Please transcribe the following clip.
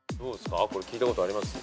これ聞いたことあります？